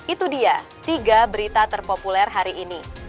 itu dia tiga berita terpopuler hari ini